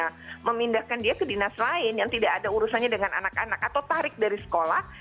mereka memindahkan dia ke dinas lain yang tidak ada urusannya dengan anak anak atau tarik dari sekolah